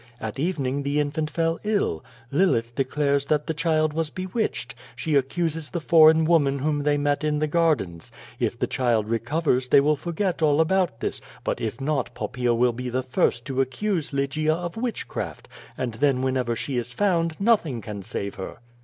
At evening the infant fell ill. Lilith declare that the child was bewitched. She accuses the foreign woman whom they met in the gardens. If the child recovers they will forget all about this, but if not Pop paea will be the first to accuse Lygia of witchcraft, and then whenever she is found nothing can save her."